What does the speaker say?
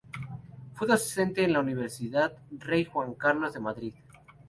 Fue docente en la Universidad Rey Juan Carlos de Madrid.